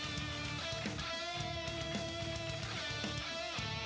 มีความรู้สึกว่า